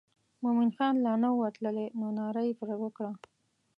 مومن خان لا نه و تللی نو ناره یې پر وکړه.